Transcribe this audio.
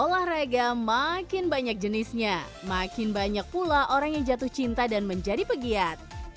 olahraga makin banyak jenisnya makin banyak pula orang yang jatuh cinta dan menjadi pegiat